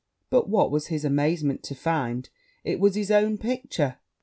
But what was his amazement to find it was his own picture!